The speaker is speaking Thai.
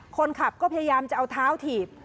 คนขับก็พยายามจะเอาเท้าถีบ